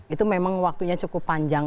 itu memang waktunya cukup panjang